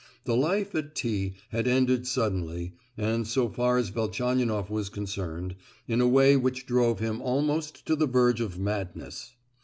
The life at T—— had ended suddenly, and so far as Velchaninoff was concerned, in a way which drove him almost to the verge of madness.